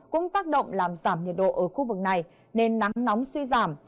cũng tác động làm giảm nhiệt độ ở khu vực này nên nắng nóng suy giảm